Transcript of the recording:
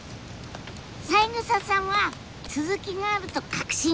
三枝さんは続きがあると確信